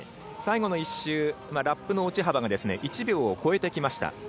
最後の１周ラップの落ち幅が１秒を超えてきました。